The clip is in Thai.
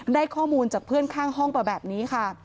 ได้ข้อมูลจากเพื่อนข้างห้องไปแบบนี้ค่ะ